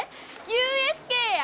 ＵＳＫや！